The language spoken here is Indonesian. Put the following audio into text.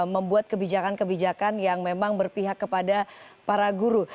membuat kebijakan kebijakan yang memang berpihak kepada para guru